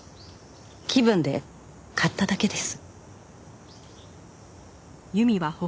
気分で買っただけです。